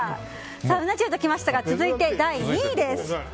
うな重ときましたが続いて、第２位です。